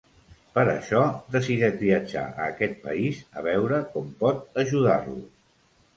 Per això decideix viatjar a aquest país a veure com pot ajudar-lo.